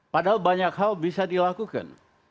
padahal banyak hal bisa dilakukan